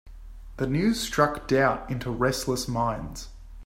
The news struck doubt into restless minds.